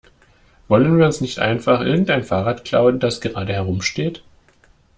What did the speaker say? Wollen wir uns nicht einfach irgendein Fahrrad klauen, das gerade herumsteht?